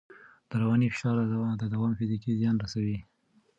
د رواني فشار دوام فزیکي زیان رسوي.